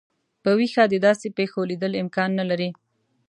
په ویښه د داسي پیښو لیدل امکان نه لري.